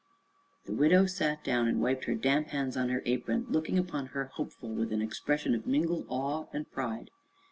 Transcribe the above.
The widow sat down and wiped her damp hands on her apron, looking upon her hopeful with an expression of mingled awe and pride.